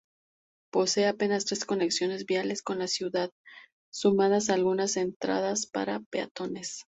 Posee apenas tres conexiones viales con la ciudad, sumadas a algunas entradas para peatones.